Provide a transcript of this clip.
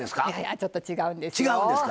ちょっと違うんですよ。